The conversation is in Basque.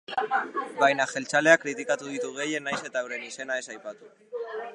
Baina jeltzaleak kritikatu ditu gehien, nahiz eta euren izena ez aipatu.